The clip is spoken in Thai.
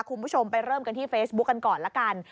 คุณผู้ชมไปเริ่มกันที่เฟซบุ๊คกันก่อนละกัน